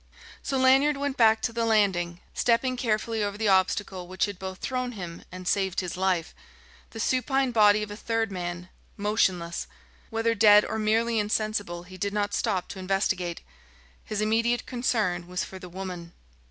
So Lanyard went back to the landing, stepping carefully over the obstacle which had both thrown him and saved his life the supine body of a third man, motionless; whether dead or merely insensible, he did not stop to investigate. His immediate concern was for the woman.